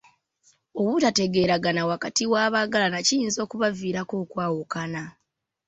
Obutategeeragana wakati w'abaagalana kiyinza okubaviirako okwawukana.